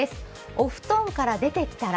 お布団から出てきたら。